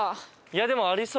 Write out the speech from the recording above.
でもありそう